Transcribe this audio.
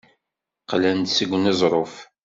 Qqlen-d seg uneẓruf.